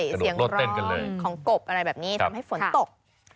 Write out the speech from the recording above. เสียงร้อนของกบอะไรแบบนี้ทำให้ฝนตก